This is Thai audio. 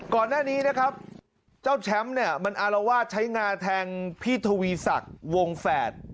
ก่อนหน้านี้เจ้าแชมป์มันอารวาดใช้งาแทงพี่ทวีสักวงแฝด